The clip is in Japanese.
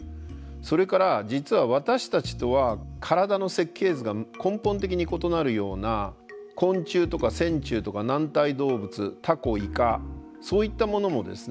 それから実は私たちとは体の設計図が根本的に異なるような昆虫とか線虫とか軟体動物タコイカそういったものもですね